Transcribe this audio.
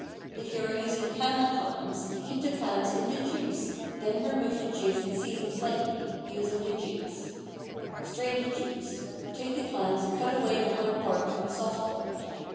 If you are using canned clams heat the clams in the juice, then remove the juice and season slightly, using the juice. Strain the juice. Take the clams and cut away the hard part from the soft part.